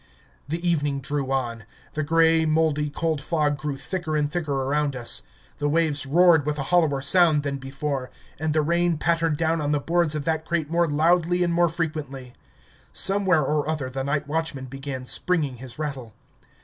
The evening drew on. The grey, mouldy, cold fog grew thicker and thicker around us. The waves roared with a hollower sound than before, and the rain pattered down on the boards of that crate more loudly and more frequently. Somewhere or other the night watchman began springing his rattle.